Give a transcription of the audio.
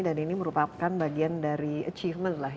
dan ini merupakan bagian dari achievement lah